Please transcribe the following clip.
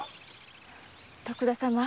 徳田様。